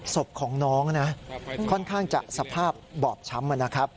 ศพของน้องนะค่อนข้างจะสภาพบอบช้ำนะครับ